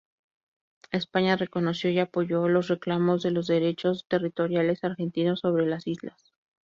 España reconoció y apoyó los reclamos de los derechos territoriales argentinos sobre las islas.